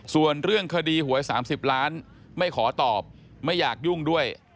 ส่วนเรื่องคดีหวย๓๐ล้านไม่ขอตอบไม่อยากยุ่งด้วย